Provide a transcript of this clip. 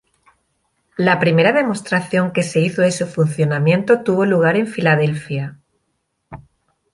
La primera demostración que se hizo de su funcionamiento tuvo lugar en Filadelfia.